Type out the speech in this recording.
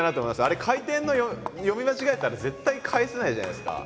あれ回転の読み間違えたら絶対返せないじゃないですか。